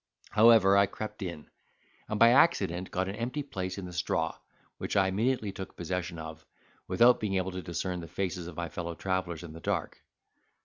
However, I crept in, and by accident got an empty place in the straw, which I immediately took possession of, without being able to discern the faces of my fellow travellers in the dark.